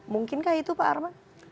mungkinkah itu pak arman